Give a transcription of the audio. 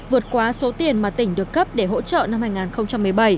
vượt quá số tiền mà tỉnh được cấp để hỗ trợ năm hai nghìn một mươi bảy